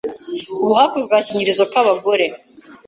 ubu hakozwe agakingirizo k’abagore